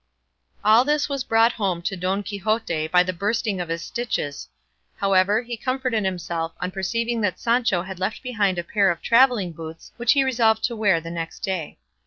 All this was brought home to Don Quixote by the bursting of his stitches; however, he comforted himself on perceiving that Sancho had left behind a pair of travelling boots, which he resolved to wear the next day.